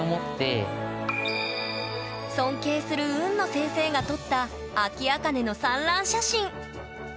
尊敬する海野先生が撮ったアキアカネの産卵写真。